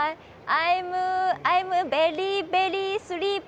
アイム・ベリー・ベリー・スリープ。